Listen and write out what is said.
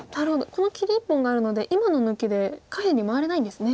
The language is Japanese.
この切り１本があるので今の抜きで下辺に回れないんですね。